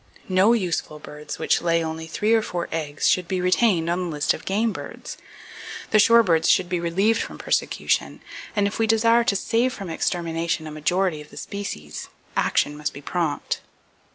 No useful birds which lay only three or four eggs should be retained on the list of game birds. The shorebirds should be relieved from persecution, and if we desire to save from extermination a majority of the species, action must be prompt.